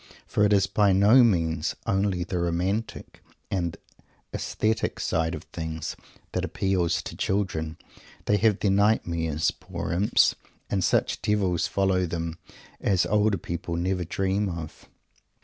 For it is by no means only the "romantic" and "aesthetic" side of things that appeals to children. They have their nightmares, poor imps, and such devils follow them as older people never dream of.